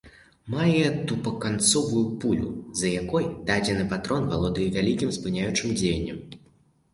Мае тупаканцовую кулю, з-за якой дадзены патрон валодае вялікім спыняючым дзеяннем.